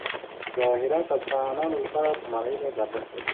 جواهرات د افغانانو لپاره په معنوي لحاظ ارزښت لري.